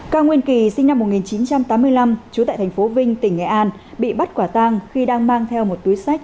cao nguyên kỳ sinh năm một nghìn chín trăm tám mươi năm trú tại thành phố vinh tỉnh nghệ an bị bắt quả tang khi đang mang theo một túi sách